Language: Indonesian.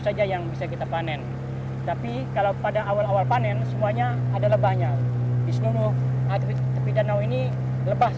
coba kita bisa lebih dekat